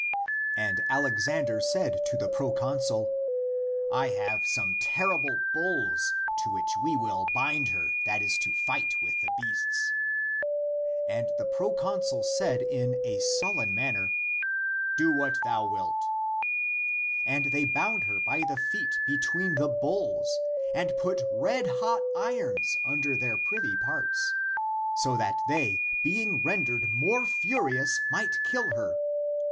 And Alexander said to the proconsul, " I have some terrible bulls, to which we will bind her that is to fight with the beasts." And the proconsul said in a sullen manner, " Do what thou wilt." And they bound her by the feet between the bulls, and put red hot irons under their privy parts, so that they, being rendered more furious, might kill her.